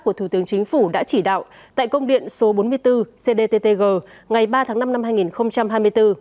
của thủ tướng chính phủ đã chỉ đạo tại công điện số bốn mươi bốn cdttg ngày ba tháng năm năm hai nghìn hai mươi bốn